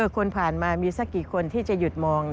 คนผ่านมามีสักกี่คนที่จะหยุดมอง